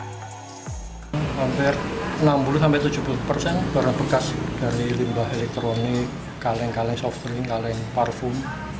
hampir enam puluh tujuh puluh berbekas dari limba elektronik kaleng kaleng softening kaleng parfum